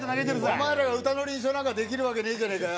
お前らが歌の輪唱なんかできるわけねえじゃねえかよ。